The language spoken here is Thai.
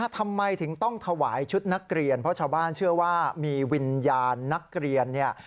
ทำไมถึงต้องถวายชุดนักเรียนเพราะชาวบ้านเชื่อว่ามีวิญญาณนักเรียนเนี่ย